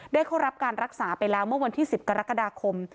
เข้ารับการรักษาไปแล้วเมื่อวันที่๑๐กรกฎาคม